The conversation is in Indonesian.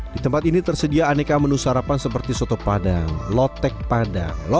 di tempat ini tersedia aneka menu sarapan seperti soto padang lotek padang lokal